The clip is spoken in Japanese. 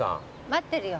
待ってるよ。